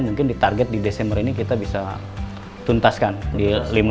mungkin di target di desember ini kita bisa tuntaskan di lima puluh